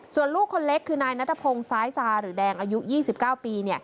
ส่วนลูกคนเล็กคือนายนัทพงศ์ซ้ายซาหรือแดงอายุ๒๙ปี